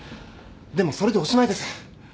でもそれでおしまいです。